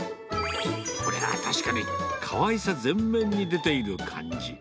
これは確かに、かわいさ前面に出ている感じ。